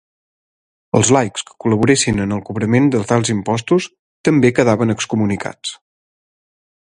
Els laics que col·laboressin en el cobrament de tals imposats també quedaven excomunicats.